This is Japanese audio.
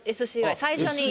最初に。